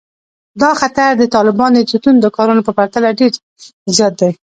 دا خطر د طالبانو د توندو کارونو په پرتله ډېر زیات دی